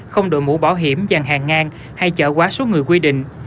không đội mũ bảo hiểm dàn hàng ngang hay chở quá số người quy định